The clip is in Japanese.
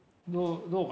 どう？